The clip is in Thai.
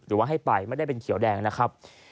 หรือว่าให้ไปไม่ได้เป็นเขียวแดงนะครับ